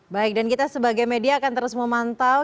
baik dan kita sebagai media akan terus memantau